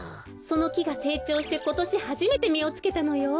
そのきがせいちょうしてことしはじめてみをつけたのよ。